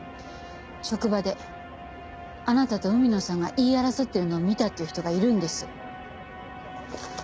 職場であなたと海野さんが言い争ってるのを見たっていう人がいるんです。